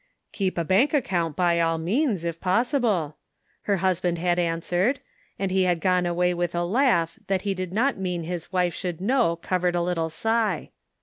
" Keep a bank account by all means, if pos sible," her husband had answered, and he had gone away with a laugh that he did not mean his wife should know covered a little sigh.